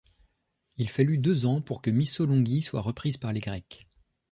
Il fallut deux ans pour que Missolonghi soit reprise par les Grecs.